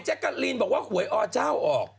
แจ๊กกัลลีนบอกว่าห่วยอ่อเจ้าออก